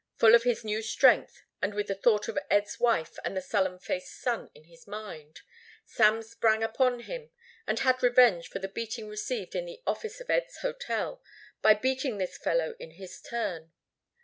Full of his new strength and with the thought of Ed's wife and the sullen faced son in his mind, Sam sprang upon him and had revenge for the beating received in the office of Ed's hotel by beating this fellow in his turn.